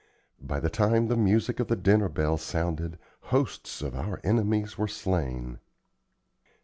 By the time the music of the dinner bell sounded, hosts of our enemies were slain.